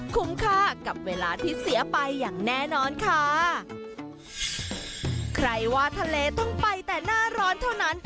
คุ้มค่ากับเวลาที่เสียไปอย่างแน่นอนค่ะใครว่าทะเลต้องไปแต่หน้าร้อนเท่านั้น